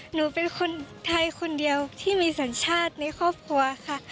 หนูเป็นคนไทยคนเดียวที่มีสัญชาติในครอบครัวค่ะ